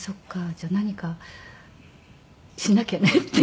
じゃあ何かしなきゃね」っていう。